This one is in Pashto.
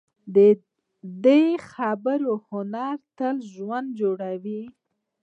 د خبرو هنر تل ژوند جوړوي